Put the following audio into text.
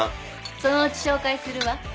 そのうち紹介するわ。